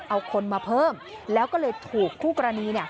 เอาคนมาเพิ่มแล้วก็เลยถูกคู่กรณี